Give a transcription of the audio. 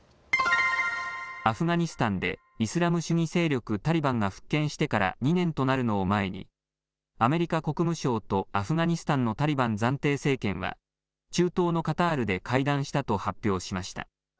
アフガニスタンでイスラム主義勢力タリバンが復権してから２年となるのを前にアメリカ国務省とアフガニスタンのタリバン暫定政権は中東のカタールで会談したと発表しました。